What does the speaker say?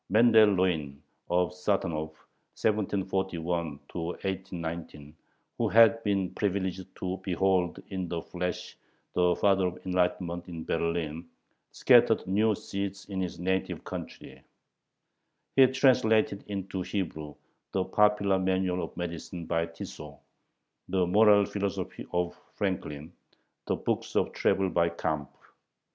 Mendel Lewin, of Satanov (1741 1819), who had been privileged to behold in the flesh the Father of Enlightenment in Berlin, scattered new seeds in his native country. He translated into Hebrew the popular manual of medicine by Tissot, the moral philosophy of Franklin, and the books of travel by Campe.